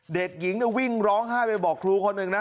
เด็กหญิงวิ่งร้องไห้ไปบอกครูคนหนึ่งนะ